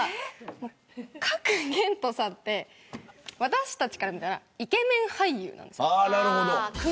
賀来賢人さんって私たちから見たらイケメン俳優なんです。